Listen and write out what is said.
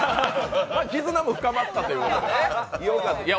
絆も深まったということで。